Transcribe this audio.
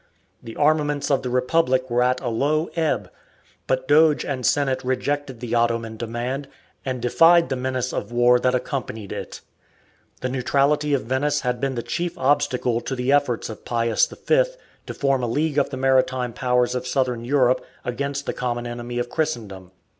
The armaments of the Republic were at a low ebb, but Doge and Senate rejected the Ottoman demand, and defied the menace of war that accompanied it. The neutrality of Venice had been the chief obstacle to the efforts of Pius V to form a league of the maritime powers of Southern Europe against the common enemy of Christendom.